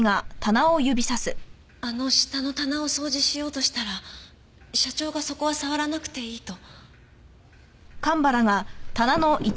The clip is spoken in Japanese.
あの下の棚を掃除しようとしたら社長がそこは触らなくていいと。